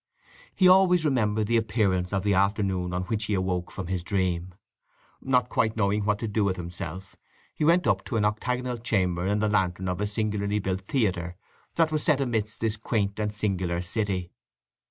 He always remembered the appearance of the afternoon on which he awoke from his dream. Not quite knowing what to do with himself, he went up to an octagonal chamber in the lantern of a singularly built theatre that was set amidst this quaint and singular city.